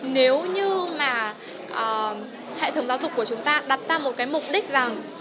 nếu như mà hệ thống giáo dục của chúng ta đặt ra một cái mục đích rằng